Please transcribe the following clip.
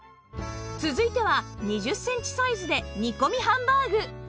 続いては２０センチサイズで煮込みハンバーグ